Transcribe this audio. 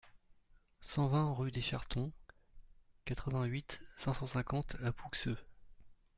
cent vingt rue des Chartons, quatre-vingt-huit, cinq cent cinquante à Pouxeux